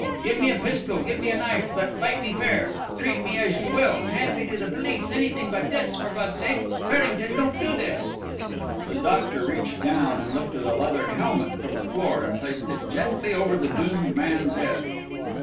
Give me a pistol, give me a knife, but fight me fair. Treat me as you will; hand me to the police, anything but this; for God's sake, Farrington, don't do this!" The doctor reached down and lifted a leather helmet from the floor and placed it gently over the doomed man's head.